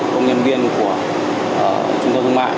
công nhân viên của trung tâm thương mại